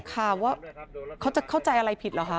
ข่าวว่าเขาจะเข้าใจอะไรผิดเหรอคะ